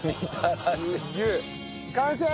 完成！